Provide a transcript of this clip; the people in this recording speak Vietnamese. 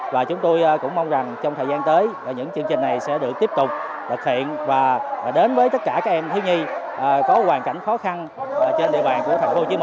và chúng tôi cũng mong rằng trong thời gian tới những chương trình này sẽ được tiếp tục thực hiện và đến với tất cả các em thiếu nhi có hoàn cảnh khó khăn trên địa bàn của tp hcm